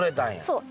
そう。